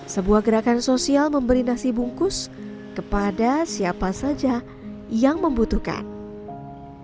sebuah gerakan sosial memberi nasi bungkus kepada siapa saja yang membutuhkan